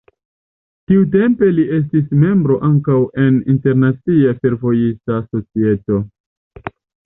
Tiutempe li estis membro ankaŭ en internacia fervojista societo.